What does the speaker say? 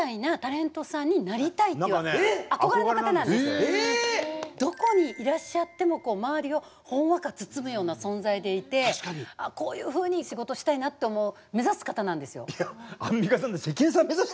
何せさどこにいらっしゃっても周りをほんわか包むような存在でいてこういうふうに仕事したいなって思う目指す方なんですよ。